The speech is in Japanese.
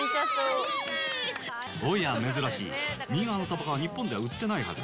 おや、珍しい、右側のたばこは日本では売ってないはず。